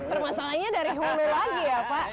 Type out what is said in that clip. permasalahannya dari hulu lagi ya pak